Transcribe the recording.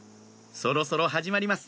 そろそろ始まります